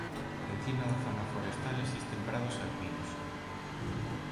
Por encima da zona forestal existen prados alpinos.